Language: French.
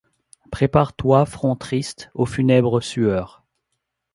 Prépare-toi, front triste, aux funèbres sueurs.